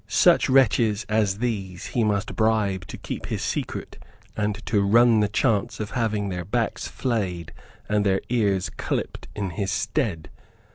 Such wretches as these he must bribe to keep his secret and to run the chance of having their backs flayed and their ears clipped in his stead.